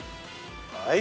はい。